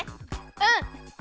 うん。